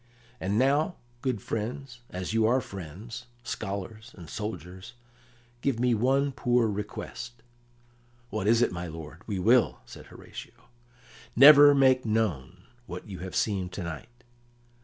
And now, good friends, as you are friends, scholars, and soldiers, give me one poor request." "What is it, my lord? We will," said Horatio. "Never make known what you have seen to night."